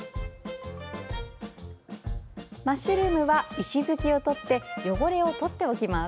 マッシュルームは石突きを取って汚れを取っておきます。